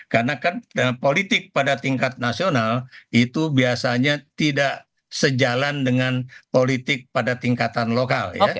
karena kan politik pada tingkat nasional itu biasanya tidak sejalan dengan politik pada tingkatan lokal ya